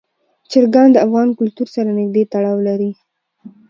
چرګان د افغان کلتور سره نږدې تړاو لري.